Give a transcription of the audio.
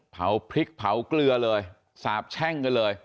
เผาพริกเผาเกลือเลยสาบแช่งกันเลย